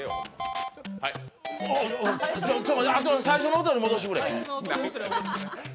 最初の音に戻してくれ。